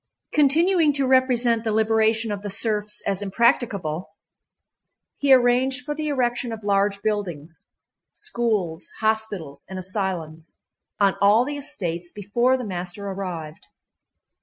Continuing to represent the liberation of the serfs as impracticable, he arranged for the erection of large buildings—schools, hospitals, and asylums—on all the estates before the master arrived.